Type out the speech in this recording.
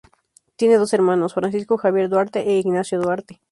Tiene dos hermanos, Francisco Javier Duarte e Ignacio Duarte.